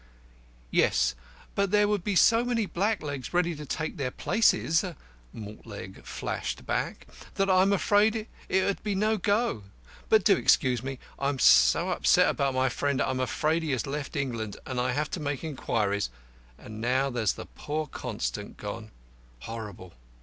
"Yes, but there would be so many blacklegs ready to take their places," Mortlake flashed back, "that I'm afraid it 'ould be no go. But do excuse me. I am so upset about my friend. I'm afraid he has left England, and I have to make inquiries; and now there's poor Constant gone horrible!